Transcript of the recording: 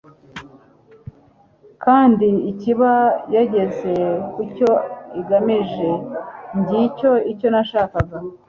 kandi ikaba yageze ku cyo igamije, ngicyo icyo nashakaga